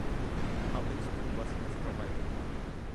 Public School busing is provided.